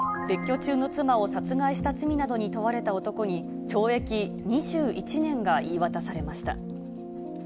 別居中の妻を殺害した罪などに問われた男に、懲役２１年が言い渡されました。